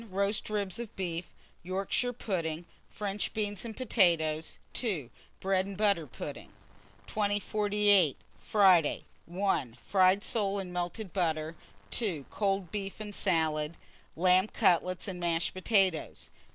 Roast ribs of beef, Yorkshire pudding, French beans and potatoes. 2. Bread and butter pudding. 2048. Friday. 1. Fried soles and melted butter. 2. Cold beef and salad, lamb cutlets and mashed potatoes.